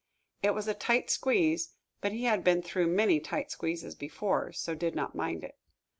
It was a tight squeeze, but he had been through many tight squeezes before, so did not mind it.